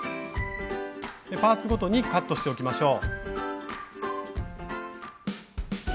パーツごとにカットしておきましょう。